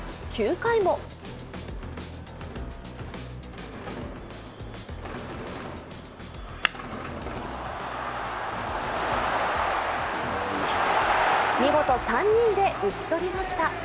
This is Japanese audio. ９回も見事、３人で打ち取りました。